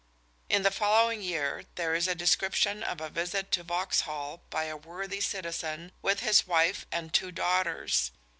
In the following year there is a description of a visit to Vauxhall by a worthy citizen with his wife and two daughters.